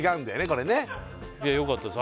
これねよかったです